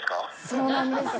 そうなんです。